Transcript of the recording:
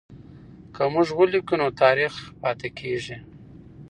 که موږ ولیکو نو تاریخ پاتې کېږي.